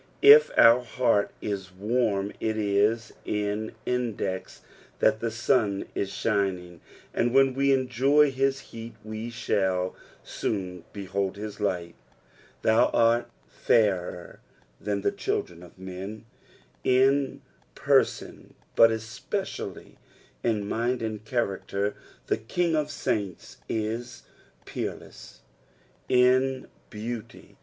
If our heart is warm it is iiu index that the sun is shining, and when we enjoy his heat we shall soon behold his light. "Thou art fairer than the ehUdrea of men." In Eerson, but especially in mind and character, the King of saints is peerless in eauty.